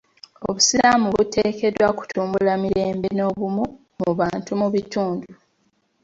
Obusiraamu buteekeddwa kutumbula mirembe n'obumu mu bantu mu bitundu.